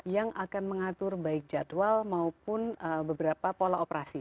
yang akan mengatur baik jadwal maupun beberapa pola operasi